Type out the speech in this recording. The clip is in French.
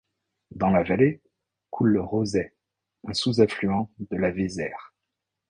Dans la vallée, coule le Roseix, un sous-affluent de la Vézère.